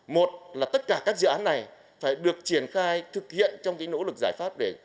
một là tất cả các dự án này phải được triển khai thực hiện trong cái nỗ lực giải pháp để